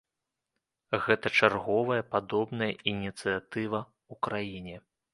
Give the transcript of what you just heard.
Гэта чарговая падобная ініцыятыва ў краіне.